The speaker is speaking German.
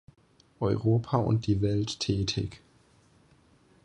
Europa und die Welt" tätig.